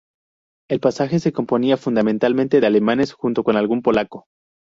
El pasaje se componía fundamentalmente de alemanes junto con algún polaco.